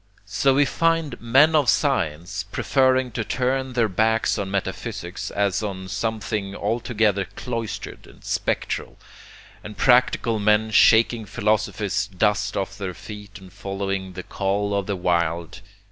So we find men of science preferring to turn their backs on metaphysics as on something altogether cloistered and spectral, and practical men shaking philosophy's dust off their feet and following the call of the wild.